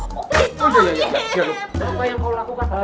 bapak yang kalau aku kata